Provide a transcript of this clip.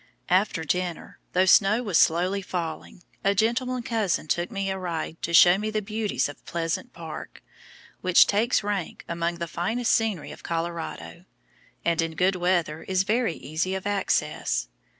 After dinner, though snow was slowly falling, a gentleman cousin took me a ride to show me the beauties of Pleasant Park, which takes rank among the finest scenery of Colorado, and in good weather is very easy of access.